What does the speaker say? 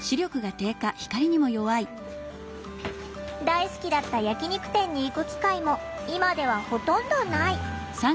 大好きだった焼き肉店に行く機会も今ではほとんどない。